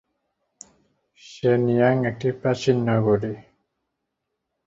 শেন-ইয়াং একটি প্রাচীন নগরী।